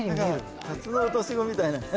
何かタツノオトシゴみたいなね。